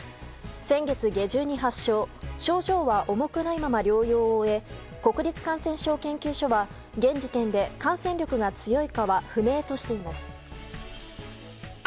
先月下旬に発症、症状は重くないまま療養を終え国立感染症研究所は現時点で感染力が強いかは不明としています。